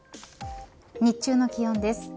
日中の気温です。